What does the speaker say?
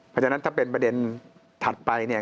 เพราะฉะนั้นถ้าเป็นประเด็นถัดไปเนี่ย